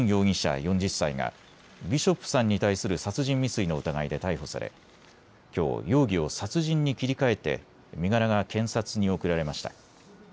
４０歳がビショップさんに対する殺人未遂の疑いで逮捕されきょう容疑を殺人に切り替えて身柄が検察に送られました。